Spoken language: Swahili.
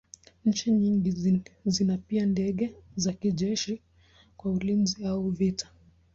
Nchi nyingi zina pia ndege za kijeshi kwa ulinzi au vita.